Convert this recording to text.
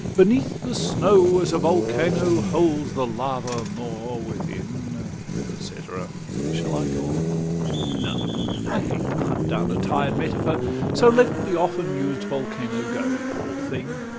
beneath the snow, As a volcano holds the lava more Within et cætera. Shall I go on? No! I hate to hunt down a tired metaphor, So let the often used volcano go. Poor thing!